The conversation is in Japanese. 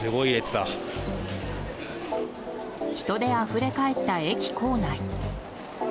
人であふれ返った駅構内。